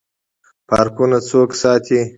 پارکونه څوک ساتي؟